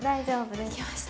できました。